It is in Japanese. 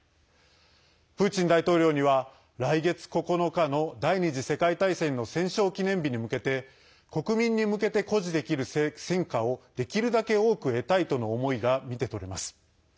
プーチン大統領には、来月９日の第２次世界大戦の戦勝記念日に向けて国民に向けて誇示できる戦果をできるだけ多く得たいとの思いが見て取れます。